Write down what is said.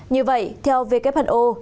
như vậy theo who